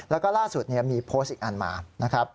แล้วก็ล่าสุดมีโพสต์อีกอันมานะครับ